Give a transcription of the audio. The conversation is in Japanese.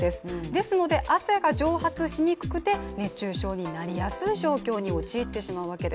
ですので、汗が蒸発しやすくて熱中症になりやすい状況に陥ってしまうわけです。